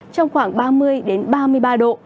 trong khoảng ba mươi đến ba mươi ba độ